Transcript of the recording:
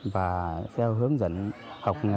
và theo hướng dẫn học nghề